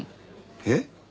えっ？